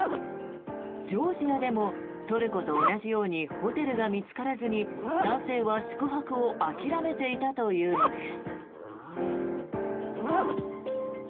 ジョージアでもトルコと同じようにホテルが見つからずに男性は宿泊を諦めていたというのです。